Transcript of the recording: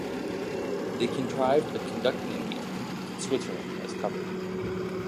They contrived a conducting engagement in Switzerland as cover.